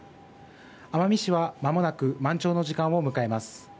奄美市はまもなく満潮の時間を迎えます。